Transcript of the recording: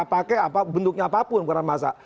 apakah kromosomi seperti apa bentuknya apapun bukan masalah